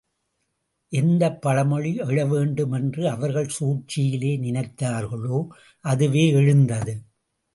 எந்தப் பழிமொழி எழவேண்டும் என்று அவர்கள் சூழ்ச்சியிலே நினைத்தார்களோ, அதுவே எழுந்தது.